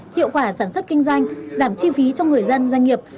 hiệu quả sản xuất kinh doanh giảm chi phí cho người dân doanh nghiệp